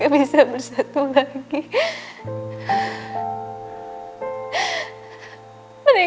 potensial terusnya gede